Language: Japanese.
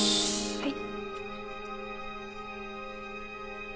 はい。